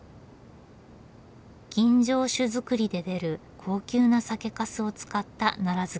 吟醸酒造りで出る高級な酒かすを使ったなら漬。